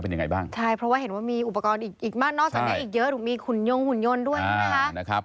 เพราะว่านอกสังเกตอีกเยอะดูมีขุนยนต์ขุนยนต์ด้วยนะครับ